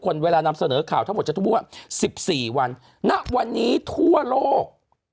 เวลานำเสนอข่าวทั้งหมดจะทุกวัน๑๔วันณวันนี้ทั่วโลก